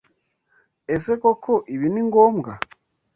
Ese koko ibi ni ngombwa?